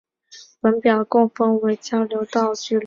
本表共分为交流道距离。